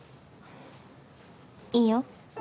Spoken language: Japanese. いいよ。